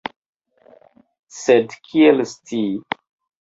Sed kiel scii?